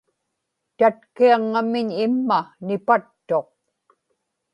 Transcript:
tatkiaŋŋamiñ imma nipattuq